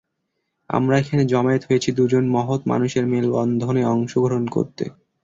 আমরা এখানে জমায়েত হয়েছি দুজন মহৎ মানুষের মেলবন্ধনে অংশগ্রহণ করতে।